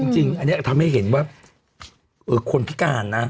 จริงอันนี้ทำให้เห็นว่าคนพิการนะ